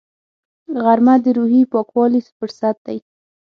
غرمه د روحي پاکوالي فرصت دی